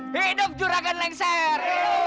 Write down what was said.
hidup juragan lexer